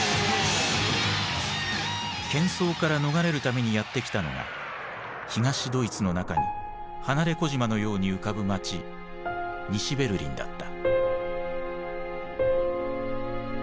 けん騒から逃れるためにやって来たのが東ドイツの中に離れ小島のように浮かぶ街西ベルリンだった。